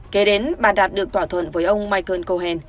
kể đến bà đạt được tỏa thuận với ông michael cohen